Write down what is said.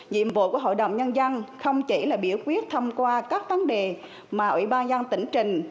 nhiệm vụ của hội đồng nhân dân không chỉ là biểu quyết thông qua các vấn đề mà ủy ban nhân tỉnh trình